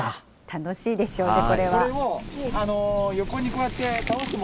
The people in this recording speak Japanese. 楽しいでしょうね、これは。